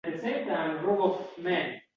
Xohlagan kiyimlarini kiyishadi.